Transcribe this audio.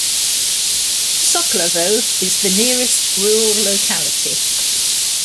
Sokolovo is the nearest rural locality.